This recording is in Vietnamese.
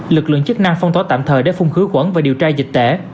lực lượng chức năng phong tỏa tạm thời để phung khứ quẩn và điều tra dịch tễ